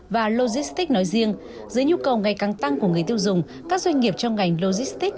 và logistics nói riêng dưới nhu cầu ngày càng tăng của người tiêu dùng các doanh nghiệp trong ngành logistics